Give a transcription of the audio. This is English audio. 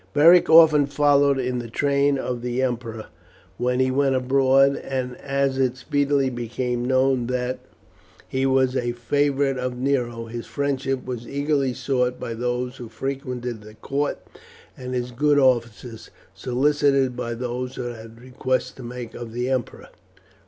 Beric often followed in the train of the emperor when he went abroad; and as it speedily became known that he was a favourite of Nero, his friendship was eagerly sought by those who frequented the court, and his good offices solicited by those who had requests to make of the emperor.